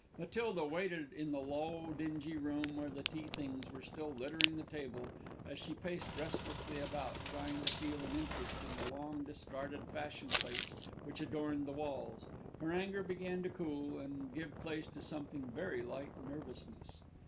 Matilda waited in the low, dingy room, where the tea things were still littering the table, and as she paced restlessly about, trying to feel an interest in the long discarded fashion plates which adorned the walls, her anger began to cool, and give place to something very like nervousness.